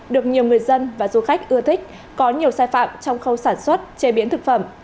được nhiều người dân và du khách ưa thích có nhiều sai phạm trong khâu sản xuất chế biến thực phẩm